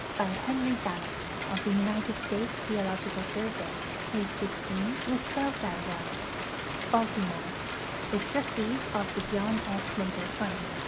By Henry Gannett, of the United States Geo logical Survey. Pp. 10, with 12 diagrams. Baltimore: The Trustees of the John F. Slater Fund.